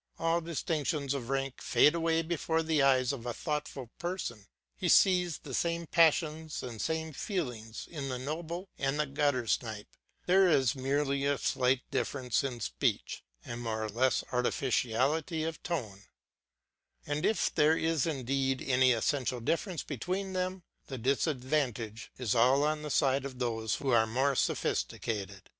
All distinctions of rank fade away before the eyes of a thoughtful person; he sees the same passions, the same feelings in the noble and the guttersnipe; there is merely a slight difference in speech, and more or less artificiality of tone; and if there is indeed any essential difference between them, the disadvantage is all on the side of those who are more sophisticated.